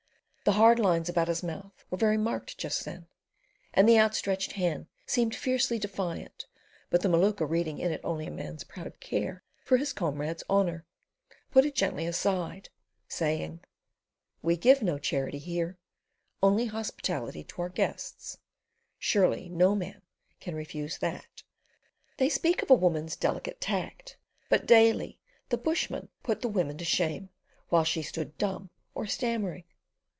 The hard lines about his mouth were very marked just then, and the outstretched hand seemed fiercely defiant but the Maluka reading in it only a man's proud care for a comrade's honour, put it gently aside, saying: "We give no charity here; only hospitality to our guests. Surely no man would refuse that." They speak of a woman's delicate tact. But daily the bushman put the woman to shame, while she stood dumb or stammering.